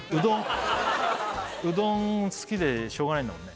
うどん好きでしょうがないんだもんね